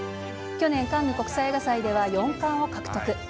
去年、カンヌ国際映画祭では４冠を獲得。